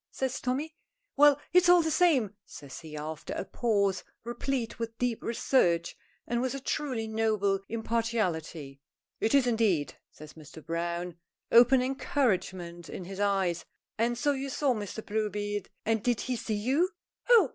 says Tommy. "Well, it's all the same," says he, after a pause, replete with deep research and with a truly noble impartiality. "It is, indeed!" says Mr. Browne, open encouragement in his eye. "And so you saw Mr. Bluebeard! And did he see you?" "Oh!